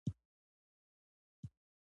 د ماښام وریځې په آسمان کې نارنجي شوې وې